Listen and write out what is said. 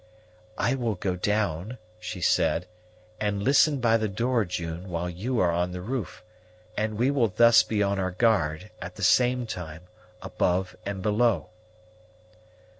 "I will go down," she said, "and listen by the door, June, while you are on the roof; and we will thus be on our guard, at the same time, above and below."